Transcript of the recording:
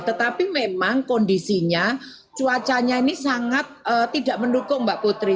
tetapi memang kondisinya cuacanya ini sangat tidak mendukung mbak putri